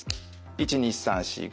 １２３４５。